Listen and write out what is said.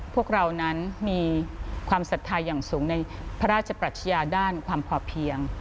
พวกเรานั้นมีความศรัทธาอย่างสูงในพระราชปรัชญาด้านความพอเพียง